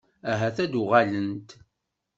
Ahat ad d-uɣalent?